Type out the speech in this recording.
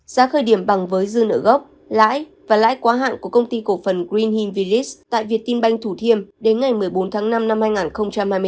giá khởi điểm bằng với dư nợ gốc lãi và lãi quá hạn của công ty cổ phần green hing vlis tại việt tim banh thủ thiêm đến ngày một mươi bốn tháng năm năm hai nghìn hai mươi một